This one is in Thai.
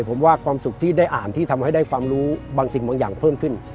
ผมว่าความสุขที่ได้อ่านที่ทำให้ได้ความรู้บางสิ่งบางอย่างเพิ่มขึ้น